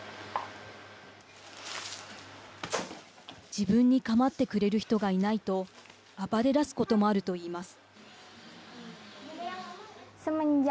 自分にかまってくれる人がいないと暴れ出すこともあるといいます。